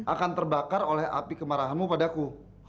akan terbakar oleh api kemarahanmu padaku